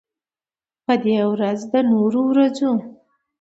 په دې ورځ د نورو ورځو